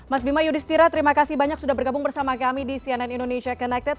mas bima yudhistira terima kasih banyak sudah bergabung bersama kami di cnn indonesia connected